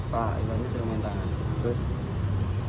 pak irwan ini sering main tangan